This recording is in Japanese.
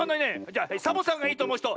じゃサボさんがいいとおもうひと！